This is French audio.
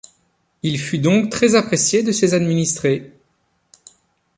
Il fut donc très apprécié de ses administrés.